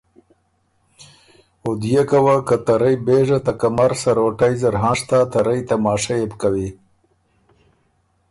او ديېکه وه که ته رئ بېژه ته کمر سروټئ زر هنشتا ته رئ تماشۀ يې بو کوی۔